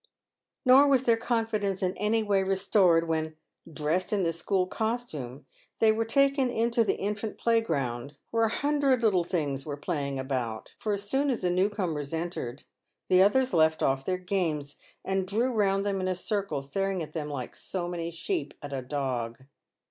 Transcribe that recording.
Nor was their confidence in any way restored when, dressed in the school costume, they were taken into the infant playground, where a hundred little things were playing about; for as soon as the new comers entered, the others left off their games, and drew round them in a circle, staring at them like so many sheep at a dog.